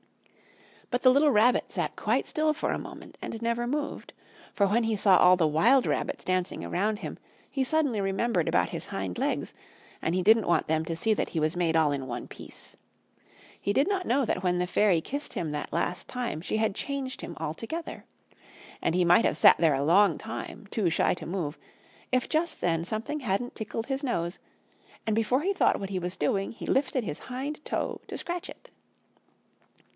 But the little Rabbit sat quite still for a moment and never moved. For when he saw all the wild rabbits dancing around him he suddenly remembered about his hind legs, and he didn't want them to see that he was made all in one piece. He did not know that when the Fairy kissed him that last time she had changed him altogether. And he might have sat there a long time, too shy to move, if just then something hadn't tickled his nose, and before he thought what he was doing he lifted his hind toe to scratch it.